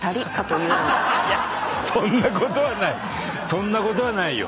そんなことはないよ。